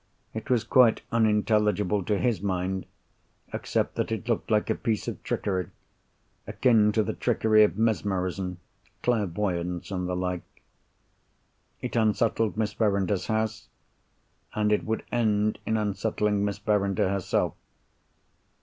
It was quite unintelligible to his mind, except that it looked like a piece of trickery, akin to the trickery of mesmerism, clairvoyance, and the like. It unsettled Miss Verinder's house, and it would end in unsettling Miss Verinder herself.